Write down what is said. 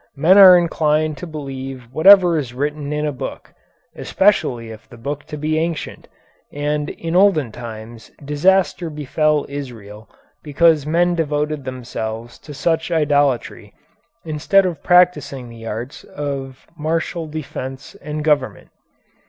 Men are inclined to believe whatever is written in a book, especially if the book be ancient; and in olden times disaster befell Israel because men devoted themselves to such idolatry instead of practising the arts of martial defence and government.'